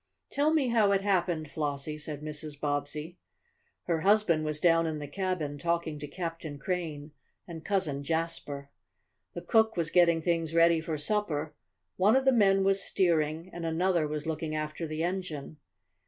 "Tell me how it happened, Flossie," said Mrs. Bobbsey. Her husband was down in the cabin, talking to Captain Crane and Cousin Jasper. The cook was getting things ready for supper, one of the men was steering, and another was looking after the engine.